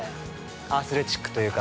◆アスレチックというか。